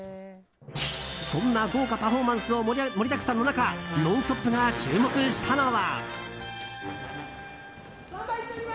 そんな豪華パフォーマンス盛りだくさんの中「ノンストップ！」が注目したのは。